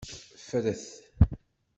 Ffret!